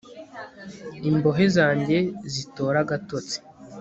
ingohe zanjye zitore agatotsi